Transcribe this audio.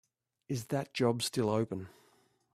Is that job still open?